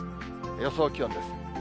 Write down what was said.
予想気温です。